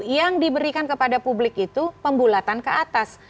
yang diberikan kepada publik itu pembulatan ke atas